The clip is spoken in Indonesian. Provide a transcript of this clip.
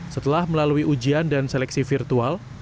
setelah melalui ujian dan seleksi virtual